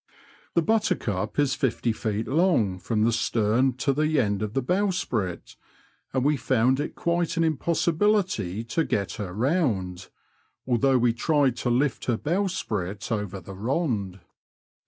The Buttercup is fifty feet long from the stem to the end of the bowsprit, and we found it quite an impossibility to get her round, although we tried to lift her bowsprit over the rond.